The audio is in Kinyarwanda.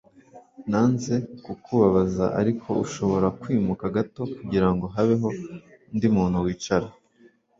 Nanze kukubabaza ariko ushobora kwimuka gato kugirango habeho undi muntu wicara